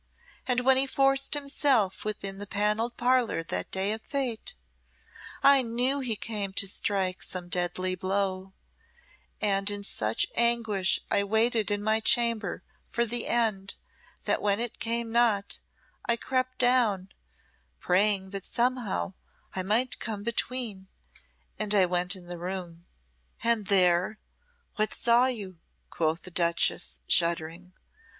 And when he forced himself within the Panelled Parlour that day of fate, I knew he came to strike some deadly blow; and in such anguish I waited in my chamber for the end, that when it came not, I crept down, praying that somehow I might come between and I went in the room!" "And there what saw you?" quoth the duchess, shuddering.